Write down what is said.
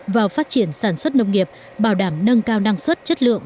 vào phát triển sản xuất nông nghiệp bảo đảm nâng cao năng suất chất lượng